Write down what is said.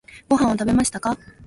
ご飯を食べましたか？